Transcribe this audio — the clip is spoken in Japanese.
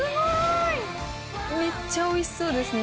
めっちゃおいしそうですね